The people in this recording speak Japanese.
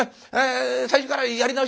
最初からやり直し」